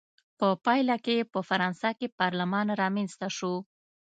په پایله کې یې په فرانسه کې پارلمان رامنځته شو.